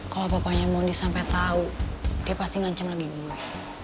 kalau papanya mondi sampai tahu dia pasti ngancam lagi gimana